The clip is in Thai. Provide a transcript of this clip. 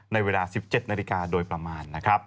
ในเวลา๑๗นาฬิกาโดยประมาณ